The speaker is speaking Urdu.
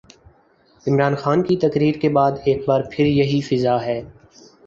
عمران خان کی تقریر کے بعد ایک بار پھر یہی فضا ہے۔